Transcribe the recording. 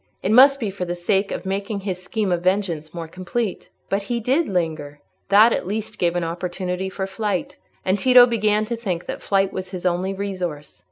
It must be for the sake of making his scheme of vengeance more complete. But he did linger: that at least gave an opportunity for flight. And Tito began to think that flight was his only resource.